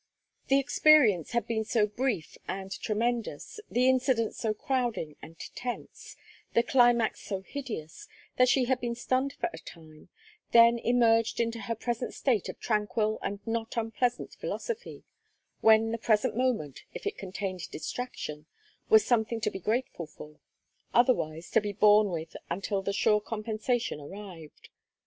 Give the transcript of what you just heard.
The experience had been so brief and tremendous, the incidents so crowding and tense, the climax so hideous, that she had been stunned for a time, then emerged into her present state of tranquil and not unpleasant philosophy when the present moment, if it contained distraction, was something to be grateful for; otherwise, to be borne with until the sure compensation arrived.